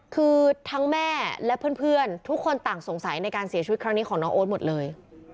คือทั้งแม่และเพื่อนทุกคนต่างสงสัยในการเสียชีวิตครั้งนี้ของน้องโอ๊ตหมดเลย